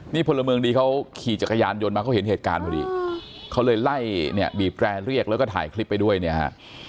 นี่พลเมืองดีเขาขี่จักรยานยนต์มาเขาเห็นเหตุการณ์พอดีเขาเลยไล่เนี่ยบีบแร่เรียกแล้วก็ถ่ายคลิปไปด้วยเนี่ยฮะ